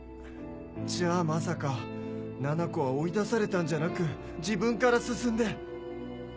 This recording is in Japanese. じゃあまさかななこは追い出されたんじゃなく自分から進んで。